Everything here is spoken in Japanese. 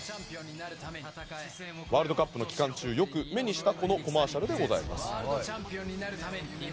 ワールドカップの期間中よく目にしたこのコマーシャル。